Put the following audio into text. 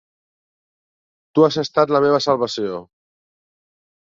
Tu has estat la meva salvació.